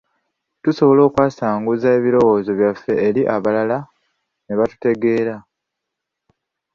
Tusobola okwasanguza ebirowoozo byaffe eri abalala ne batutegeera.